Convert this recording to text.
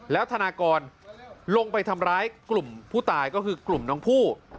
แล้วธนากรลงไปทำร้ายกลุ่มผู้ตายก็คือกลุ่มน้องผู้